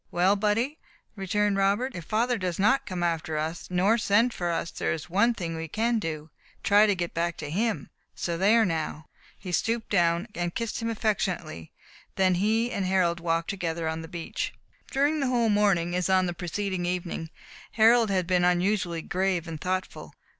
"Well, buddy," returned Robert, "if father does not come after us, nor send for us, there is one thing we can do try to get back to him. So there now" he stooped down, and kissed him affectionately. Then he and Harold walked together on the beach. During the whole morning, as on the preceding evening, Harold had been unusually grave and thoughtful.